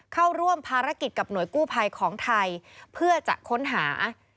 เข้าร่วมภารกิจกับหน่วยกู้ภัยของไทยเพื่อจะค้นหา